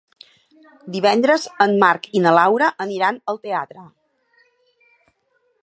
Divendres en Marc i na Laura aniran al teatre.